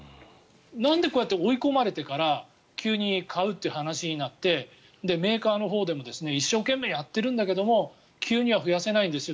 なんでこうやって追い込まれてから急に買うという話になってメーカーのほうでも一生懸命やってるんだけども急には増やせないと。